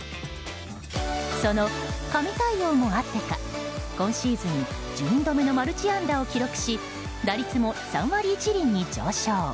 その髪対応もあってか今シーズン１２度目のマルチ安打を記録し打率も３割１厘に上昇。